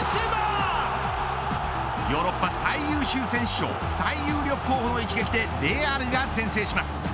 ヨーロッパ最優秀選手賞最有力候補の一発でレアルが先制します。